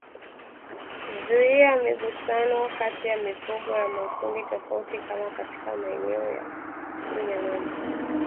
Zuia migusano kati ya mifugo ya makundi tofauti kama katika maeneo ya kunywa maji